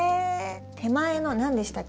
手前の何でしたっけ？